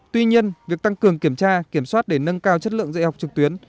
tuy nhiên việc tăng cường kiểm tra kiểm soát để nâng cao chất lượng dạy học trực tuyến